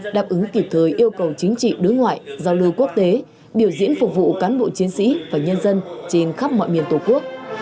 đáp ứng kịp thời yêu cầu chính trị đối ngoại giao lưu quốc tế biểu diễn phục vụ cán bộ chiến sĩ và nhân dân trên khắp mọi miền tổ quốc